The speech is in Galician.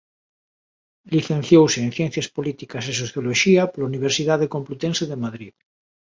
Licenciouse en Ciencias Políticas e Socioloxía pola Universidade Complutense de Madrid.